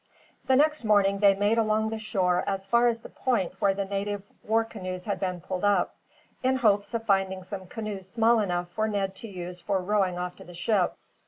The next morning they made along the shore as far as the point where the native war canoes had been pulled up, in hopes of finding some canoe small enough for Ned to use for rowing off to the ship.